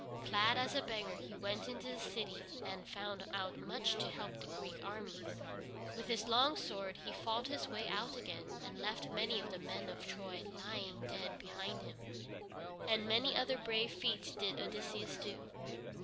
Clad as a beggar he went into the city and found out much to help the Greek armies. With his long sword he fought his way out again, and left many of the men of Troy lying dead behind him. And many other brave feats did Odysseus do.